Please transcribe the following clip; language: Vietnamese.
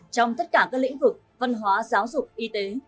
trong tất cả các lĩnh vực văn hóa giáo dục y tế